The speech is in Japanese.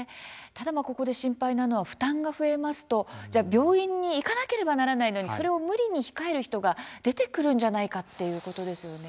ただ、ここで心配なのは負担が増えますと病院に行かなければならないのにそれを無理に控える人が出てくるんじゃないかっていうことですよね。